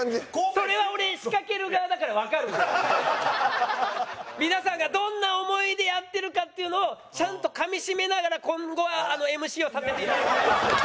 それは俺皆さんがどんな思いでやってるかっていうのをちゃんとかみ締めながら今後はＭＣをさせていただきたいと。